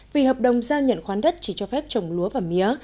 vì hợp đồng giao nhận khoán đất chỉ cho phép trồng lúa và mía